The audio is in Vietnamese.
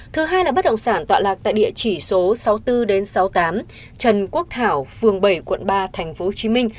thứ hai là bất động sản tọa lạc tại địa chỉ số sáu mươi bốn sáu mươi tám trần quốc thảo phường bảy quận ba tp hcm